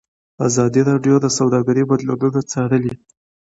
ازادي راډیو د سوداګري بدلونونه څارلي.